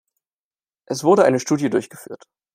Es wurde eine Studie durchgeführt.